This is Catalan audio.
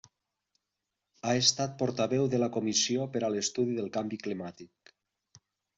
Ha estat portaveu de la Comissió per a l'Estudi del Canvi Climàtic.